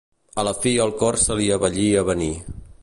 A la fi el cor se li abellí a venir.